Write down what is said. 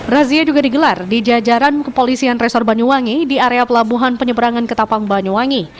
razia juga digelar di jajaran kepolisian resor banyuwangi di area pelabuhan penyeberangan ketapang banyuwangi